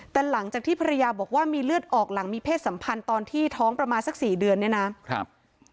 แต่หลังจากที่ภรรยาบอกว่ามีเลือดออกหลังมีเพศสัมพันธ์ตอนที่ท้องประมาณสัก๔เดือนเนี่ยนะครับ